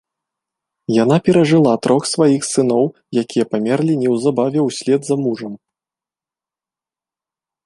Яна перажыла трох сваіх сыноў, якія памерлі неўзабаве ўслед за мужам.